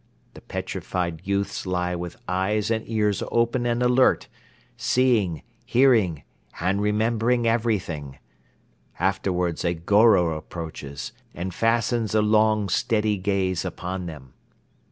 The petrified youths lie with eyes and ears open and alert, seeing, hearing and remembering everything. Afterwards a Goro approaches and fastens a long, steady gaze upon them.